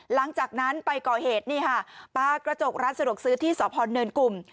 หลังจากนั้นไปก่อเหตุนี่ค่ะปลากระจกร้านสะดวกซื้อที่สพเนินกลุ่ม